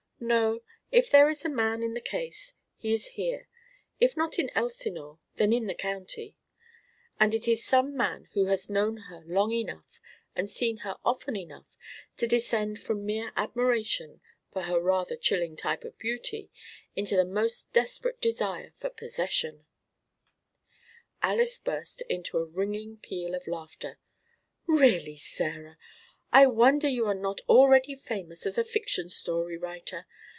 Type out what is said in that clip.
No, if there is a man in the case, he is here; if not in Elsinore, then in the county; and it is some man who has known her long enough and seen her often enough to descend from mere admiration for her rather chilling type of beauty into the most desperate desire for possession " Alys burst into a ringing peal of laughter. "Really, Sarah, I wonder you are not already famous as a fiction story writer.